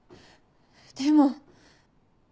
でも。